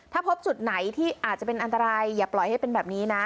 ถ้าพบจุดไหนที่อาจจะเป็นอันตรายอย่าปล่อยให้เป็นแบบนี้นะ